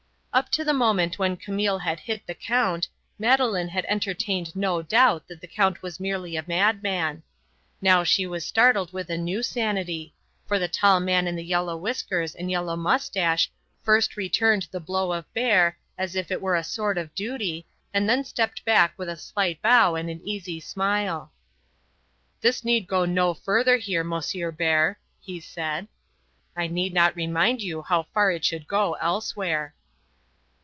Up to the moment when Camille had hit the Count, Madeleine had entertained no doubt that the Count was merely a madman. Now she was startled with a new sanity; for the tall man in the yellow whiskers and yellow moustache first returned the blow of Bert, as if it were a sort of duty, and then stepped back with a slight bow and an easy smile. "This need go no further here, M. Bert," he said. "I need not remind you how far it should go elsewhere."